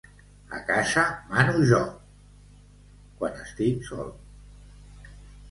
A casa mano jo quan estic sol.